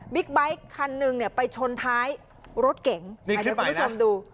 บิ๊กไบค์คันหนึ่งเนี้ยไปชนท้ายรถเก๋งนี่คลิปใหม่น่ะคุณผู้ชมดู